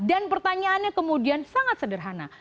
dan pertanyaannya kemudian sangat sederhana